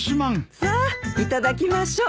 さあいただきましょう。